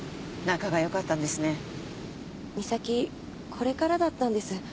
これからだったんです。